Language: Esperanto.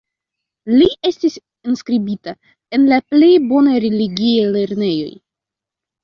Li estis enskribita en la plej bonaj religiaj lernejoj.